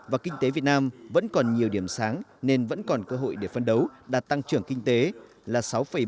và kinh tế việt nam vẫn còn nhiều điểm sáng nên vẫn còn cơ hội để phân đấu đạt tăng trưởng kinh tế là sáu bảy